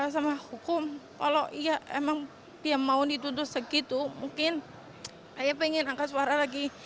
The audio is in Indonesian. sama hukum kalau dia mau dituntut segitu mungkin saya pengen angkat suara lagi